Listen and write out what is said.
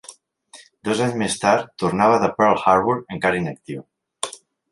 Dos anys més tard, tornava de Pearl Harbor encara inactiu.